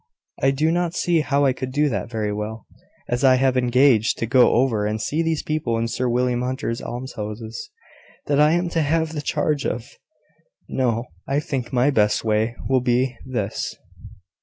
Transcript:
"I do not see how I could do that very well, as I have engaged to go over and see these people in Sir William Hunter's almshouses, that I am to have the charge of. No; I think my best way will be this.